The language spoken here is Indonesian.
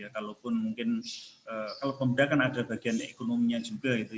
kalau pemuda kan ada bagian ekonominya juga